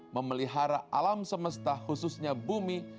memelihara alam semesta khususnya bumi